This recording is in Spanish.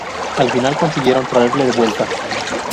Al final, consiguieron traerle de vuelta.